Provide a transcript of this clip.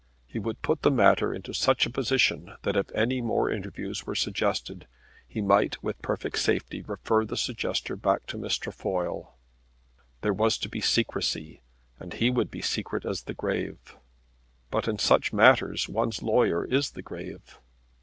He would put the matter into such a position that if any more interviews were suggested, he might with perfect safety refer the suggester back to Miss Trefoil. There was to be secrecy, and he would be secret as the grave. But in such matters one's lawyer is the grave.